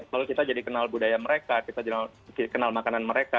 kalau kita jadi kenal budaya mereka kita kenal makanan mereka